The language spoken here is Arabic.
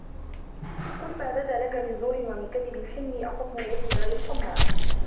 قُلْ مَا بَدَا لَك مِنْ زُورٍ وَمِنْ كَذِبِ حِلْمِي أَصَمُّ وَأُذْنِي غَيْرُ صَمَّاءِ